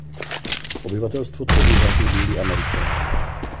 Obyvatelstvo tvoří hlavně Bílí Američané.